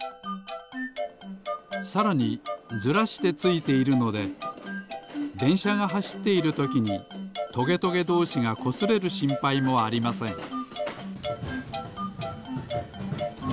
さらにずらしてついているのででんしゃがはしっているときにトゲトゲどうしがこすれるしんぱいもありません。